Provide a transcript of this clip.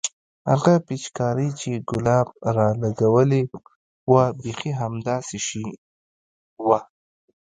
هغه پيچکارۍ چې ګلاب رالګولې وه بيخي همدا شى وه.